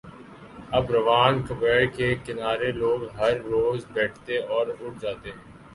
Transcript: آب روان کبیرکے کنارے لوگ ہر روز بیٹھتے اور اٹھ جاتے ہیں۔